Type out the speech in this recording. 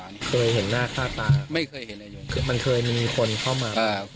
ไม่เคยเห็นหน้าค่าตาไม่เคยเห็นเลยมันเคยมีคนเข้ามา